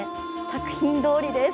作品どおりです。